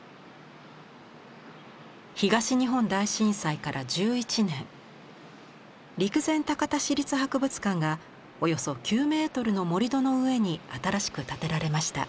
東日本大震災から１１年陸前高田市立博物館がおよそ９メートルの盛り土の上に新しく建てられました。